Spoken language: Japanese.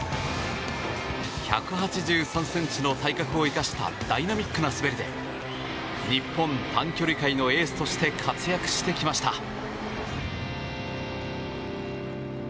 １８３ｃｍの体格を生かしたダイナミックな滑りで日本短距離界のエースとして活躍してきました。